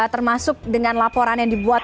termasuk dengan laporan yang dibuat